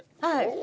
はい。